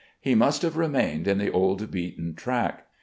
He must have remained in the old beaten track.